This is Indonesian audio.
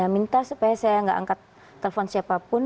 minta supaya saya tidak mengangkat telepon siapapun